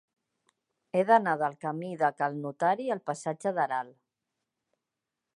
He d'anar del camí de Cal Notari al passatge d'Aral.